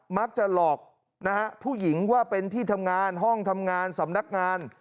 มักจะหลอกนะฮะผู้หญิงว่าเป็นที่ทำงานห้องทำงานสำนักงาน